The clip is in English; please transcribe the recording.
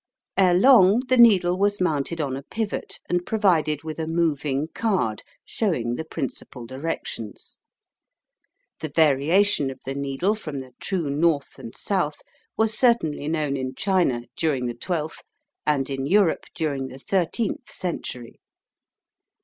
Ere long the needle was mounted on a pivot and provided with a moving card showing the principal directions. The variation of the needle from the true north and south was certainly known in China during the twelfth, and in Europe during the thirteenth century.